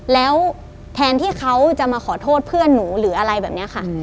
แล้วแทนที่เขาจะมาขอโทษเพื่อนหนูหรืออะไรแบบนี้ค่ะ